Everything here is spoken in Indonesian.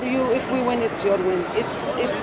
jika kita menang itu menang kita